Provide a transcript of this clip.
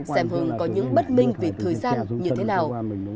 xem hưng có những bất minh về thời gian như thế nào